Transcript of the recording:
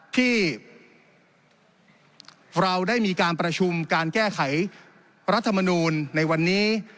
ที่เราได้มีการประชุมการแก้ไขรัฐมนูลในวันนี้